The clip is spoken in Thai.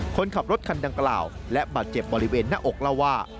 คนขับรถคันดังกล่าวและบาดเจ็บบริเวณหน้าอกเล่าว่า